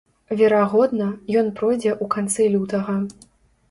Верагодна, ён пройдзе ў канцы лютага.